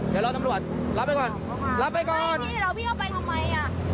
เดี๋ยวรอตำรวจรับไปก่อนรับไปก่อนพี่แล้วพี่เข้าไปทำไมอ่ะ